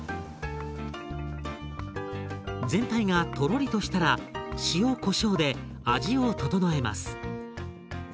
全体がとろりとしたら塩こしょうで味を調えます。